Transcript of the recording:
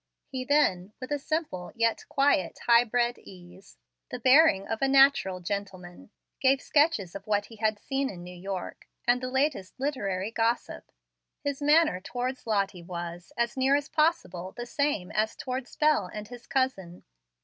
He then, with a simple, yet quiet, high bred ease, the bearing of a natural gentleman, gave sketches of what he had seen in New York, and the latest literary gossip. His manner towards Lottie was, as nearly as possible, the same as towards Bel and his cousin.